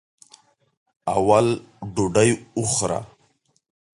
اول ډوډۍ وخوره.